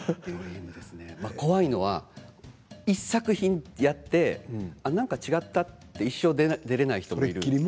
怖いのは１作品やって、なんか違ったといって一生出られない人もいる。